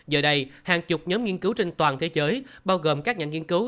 giờ đây hàng chục nhóm nghiên cứu trên toàn thế giới bao gồm các nhà nghiên cứu